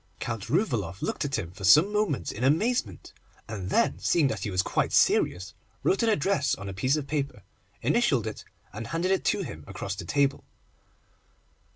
Count Rouvaloff looked at him for some moments in amazement, and then seeing that he was quite serious, wrote an address on a piece of paper, initialled it, and handed it to him across the table.